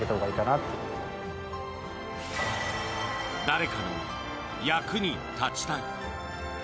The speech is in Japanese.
誰かの役に立ちたい。